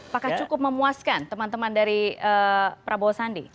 apakah cukup memuaskan teman teman dari prabowo sandi